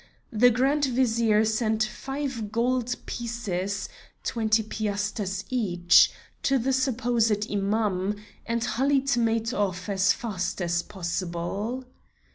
The Grand Vizier sent five gold pieces (twenty piasters each) to the supposed Imam, and Halid made off as fast as possible.